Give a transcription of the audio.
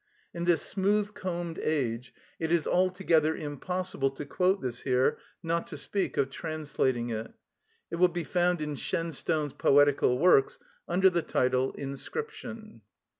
In this smooth combed age it is altogether impossible to quote this here, not to speak of translating it; it will be found in Shenstone's poetical works, under the title "Inscription."